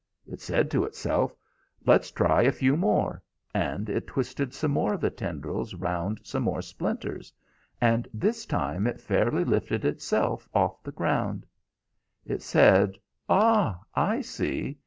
It said to itself, 'Let's try a few more,' and it twisted some more of the tendrils round some more splinters, and this time it fairly lifted itself off the ground. It said, 'Ah, I see!'